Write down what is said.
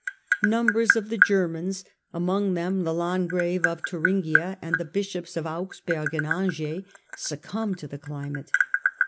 Numbers of the Germans, among them the Landgrave of Thuringia and the Bishops of Augsberg and Angers, succumbed to the climate.